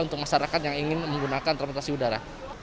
untuk masyarakat yang ingin menggunakan transportasi udara